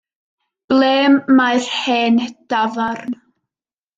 Ble mae'r hen dafarn?